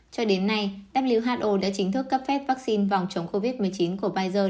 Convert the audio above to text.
cho đến nay who đã chính thức cấp phép vaccine phòng chống covid một mươi chín của pfizer